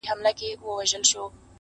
د يو کوچني وروسته پاتي هيواد